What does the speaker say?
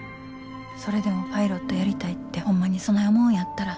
それでもパイロットやりたいってホンマにそない思うんやったら。